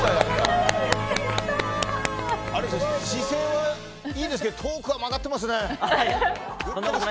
姿勢はいいんですけどトークは曲がってますね。